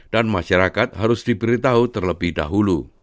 dan masyarakat harus diberitahu terlebih dahulu